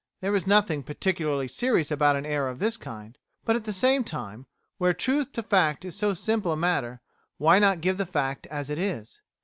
There is nothing particularly serious about an error of this kind; but at the same time, where truth to fact is so simple a matter, why not give the fact as it is?